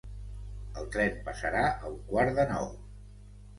El tren passarà a un quart de nou